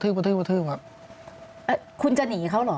คุณจะหนีเขาหรืออย่างไร